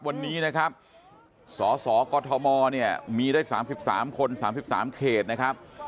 วันนี้นะครับสอสอกธมเนี่ยมีได้สามสิบสามคนสามสิบสามเขตนะครับ